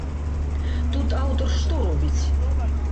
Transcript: Тут аўтар што робіць?